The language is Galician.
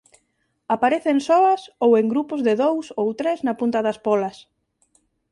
Aparecen soas ou en grupos de dous ou tres na punta das pólas.